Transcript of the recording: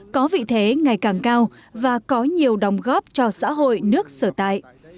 có vị thế ngày càng cao và có nhiều đồng góp cho xã hội nước sở tại